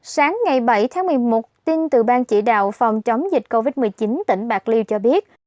sáng ngày bảy tháng một mươi một tin từ ban chỉ đạo phòng chống dịch covid một mươi chín tỉnh bạc liêu cho biết